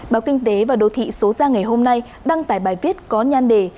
báo kinh tế và đô thị số ra ngày hôm nay đăng tải bài viết có nhan đề